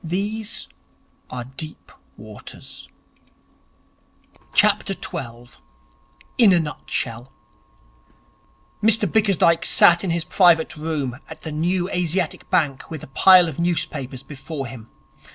These are deep waters.' 12. In a Nutshell Mr Bickersdyke sat in his private room at the New Asiatic Bank with a pile of newspapers before him.